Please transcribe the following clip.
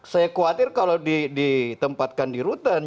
saya khawatir kalau ditempatkan di rutan